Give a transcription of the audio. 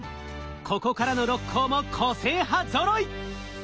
ここからの６校も個性派ぞろい！